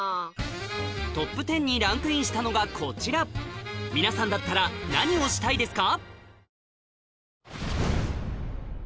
トップ１０にランクインしたのがこちら皆さんだったら何をしたいですか？